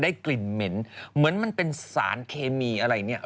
กลิ่นเหม็นเหมือนมันเป็นสารเคมีอะไรเนี่ย